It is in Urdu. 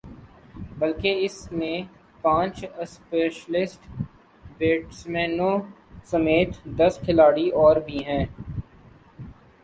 بلکہ اس میں پانچ اسپیشلسٹ بیٹسمینوں سمیت دس کھلاڑی اور بھی ہیں